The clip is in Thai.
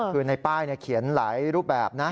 คือก็ในป้ายนี้เขียนหลายรูปแบบ